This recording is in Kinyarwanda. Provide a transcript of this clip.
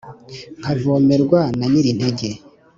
Nkavomerwa na nyiri intege.